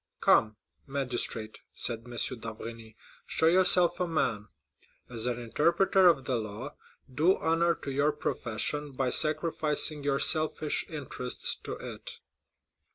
"Come, magistrate," said M. d'Avrigny, "show yourself a man; as an interpreter of the law, do honor to your profession by sacrificing your selfish interests to it."